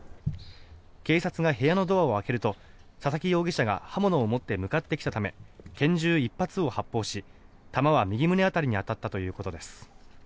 警察が部屋のドアを開けると佐々木容疑者が刃物を持って向かってきたため拳銃１発を発砲し弾は右胸辺りに当たったということです。